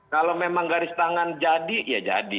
kalau memang garis tangan jadi ya jadi